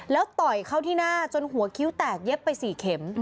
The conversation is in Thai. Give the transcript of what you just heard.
แล้วต่อยเข้าที่หน้าจนหัวคิ้วแตกเย็บไป๔เข็ม